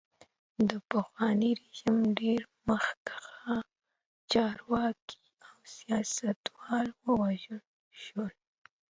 د پخواني رژیم ډېر مخکښ چارواکي او سیاستوال ووژل شول.